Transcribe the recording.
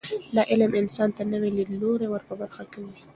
دا علم انسان ته نوي لیدلوري ور په برخه کوي.